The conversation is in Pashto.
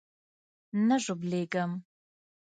نه ژوبلېږم.